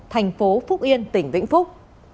tp phúc yên tỉnh vĩnh phúc